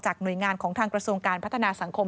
หน่วยงานของทางกระทรวงการพัฒนาสังคม